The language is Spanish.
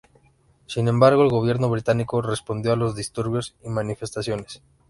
Sin embargo, el gobierno británico respondió a los disturbios y manifestaciones.